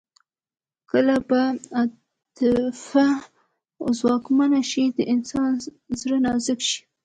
کله چې عاطفه ځواکمنه شي د انسان زړه نازک شي